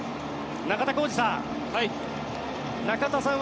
中田浩二さん